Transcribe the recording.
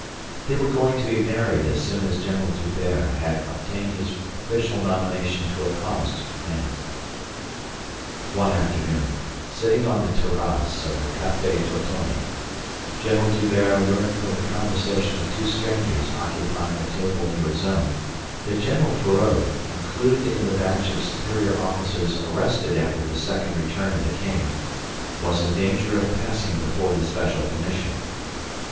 They were going to be married as soon as General D'Hubert had obtained his official nomination to a promised command. One afternoon, sitting on the terrasse of the Café Tortoni, General D'Hubert learned from the conversation of two strangers occupying a table near his own that General Feraud, included in the batch of superior officers arrested after the second return of the king, was in danger of passing before the Special Commission.